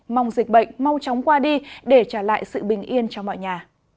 mong dịch bệnh mau chóng qua đi để trả lại sự bình yên cho mọi nhà